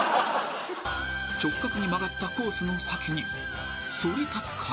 ［直角に曲がったコースの先にそり立つ壁］